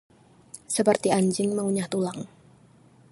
Seperti anjing mengunyah tulang